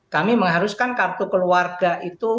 kami mengharuskan kartu keluarga itu